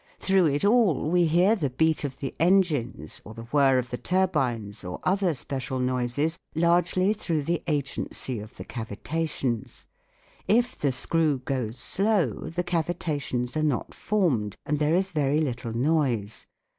Through it all we hear the beat of the engines or the whirr of the turbines or other special noises, largely through the agency of the i;2 THE WORLD OF SOUND cavitations. If the screw goes slow the cavitations are not formed and there is very little noise.